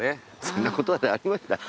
そんなことわざありました？